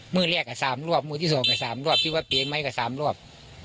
เมื่อแรกก็๓รอบเมื่อที่สองก็๓รอบที่วันเปลี่ยนไม้ก็๓รอบ